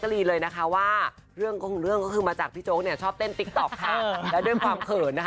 แต่แบบแบบผู้หญิงแบบนี้ละกัน